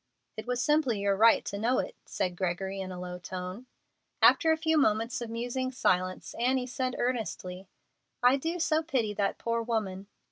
"It was simply your right to know it," said Gregory, in a low tone. After a few moments of musing silence, Annie said, earnestly, "I do so pity that poor woman!"